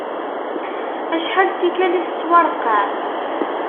Acḥal n tikkal i tettwareqqeɛ.